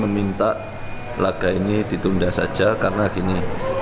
meminta laga ini ditunda saja karena gini